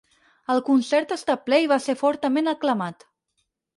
El concert està ple i va ser fortament aclamat.